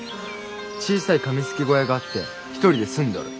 小さい紙すき小屋があって一人で住んどる。